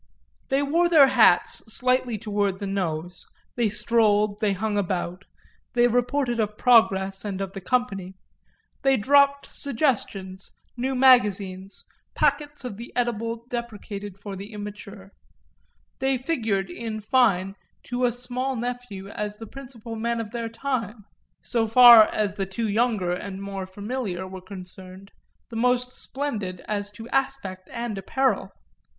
They wore their hats slightly toward the nose, they strolled, they hung about, they reported of progress and of the company, they dropped suggestions, new magazines, packets of the edible deprecated for the immature; they figured in fine to a small nephew as the principal men of their time and, so far as the two younger and more familiar were concerned, the most splendid as to aspect and apparel.